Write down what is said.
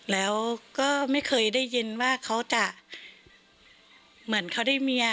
แล้วก็ไม่เคยได้ยินว่าเขาจะเหมือนเขาได้เมีย